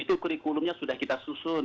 itu kurikulumnya sudah kita susun